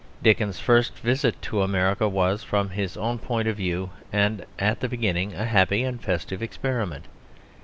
Dickens's first visit to America was, from his own point of view, and at the beginning, a happy and festive experiment.